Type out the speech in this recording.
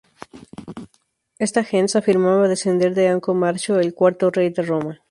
Esta "gens" afirmaba descender de Anco Marcio, el cuarto rey de Roma.